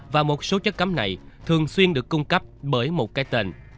và một số chất cấm này thường xuyên được cung cấp bởi một cái tên